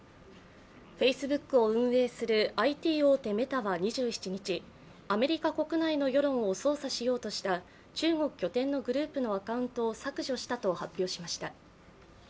Ｆａｃｅｂｏｏｋを運営するＩＴ大手メタは２７日、アメリカ国内の世論を操作しようとした中国拠点のグループのアカウントを削除したと発表しました。